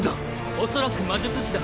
おそらく魔術士だ。